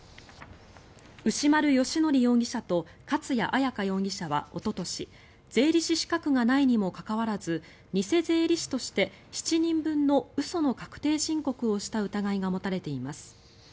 牛丸由規容疑者と勝谷彩夏容疑者はおととし税理士資格がないにもかかわらず偽税理士として７人分の嘘の確定申告をした疑いが持たれています。